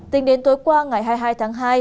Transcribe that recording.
tuy nhiên tối qua ngày hai mươi hai tháng hai